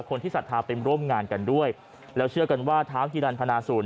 ศรัทธาเป็นร่วมงานกันด้วยแล้วเชื่อกันว่าเท้าฮิรันพนาศูนย